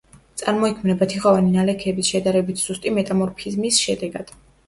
წარმოიქმნება თიხოვანი ნალექების შედარებით სუსტი მეტამორფიზმის შედეგად.